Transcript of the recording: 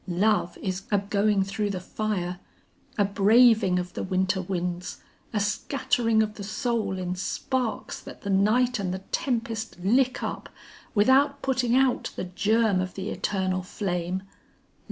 Love is a going through the fire, a braving of the winter winds, a scattering of the soul in sparks that the night and the tempest lick up without putting out the germ of the eternal flame.